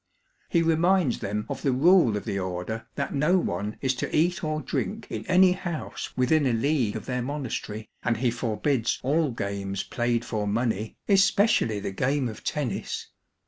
He reminds them of the rule of the Order that no one is to eat or drink in any house within a league of their monas tery, and he forbids all games played for money, especially the game of tennis.